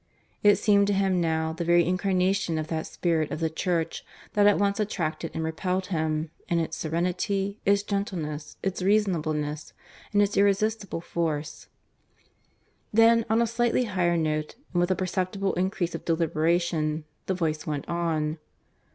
... It seemed to him now the very incarnation of that spirit of the Church that at once attracted and repelled him in its serenity, its gentleness, its reasonableness, and its irresistible force. Then, on a slightly higher note, and with a perceptible increase of deliberation, the voice went on.